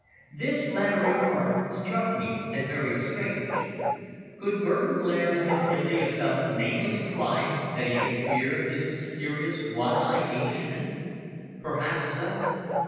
This latter remark struck me as very strange. Could Burton Blair have been guilty of some nameless crime that he should fear this mysterious one eyed Englishman? Perhaps so.